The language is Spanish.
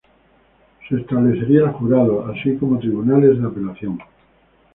Se establecería el jurado, así como tribunales de apelación.